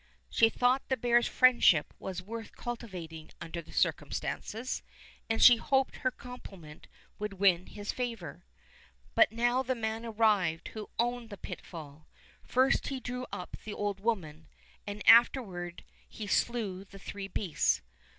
She thought the bear's friendship was worth cultivating under the circumstances, and she hoped her compliment would win his favor. But now the man arrived who owned the pitfall. First he drew up the old woman, and afterward he slew the three beasts.